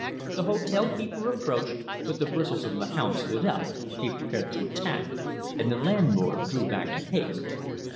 The hotel keeper approached, but the bristles of the hound stood up, he prepared to attack, and the landlord drew back in haste.